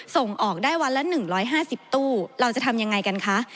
ส่งออกได้วันละ๑๕๐ตู้เราจะทำยังไงกันคะ